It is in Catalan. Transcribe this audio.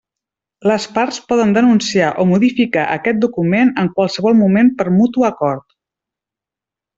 Les parts poden denunciar o modificar aquest document en qualsevol moment per mutu acord.